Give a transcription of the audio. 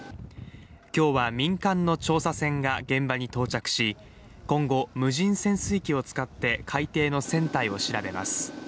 今日は民間の調査船が現場に到着し、今後、無人潜水機を使って海底の船体を調べます。